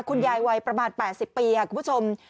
คุณยายวัยประมาณ๘๐ปีคุณผู้ชม